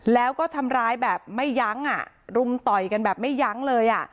แล้วก็ทำร้ายแบบไม่ยั้งอ่ะรุมต่อยกันแบบไม่ยั้งเลยอ่ะ